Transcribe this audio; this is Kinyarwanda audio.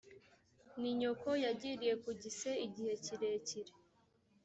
ni nyoko yagiriye ku gise igihe kirekire